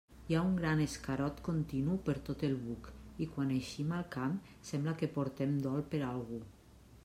Hi ha un gran escarot continu per tot el buc i quan eixim al camp sembla que portem dol per algú.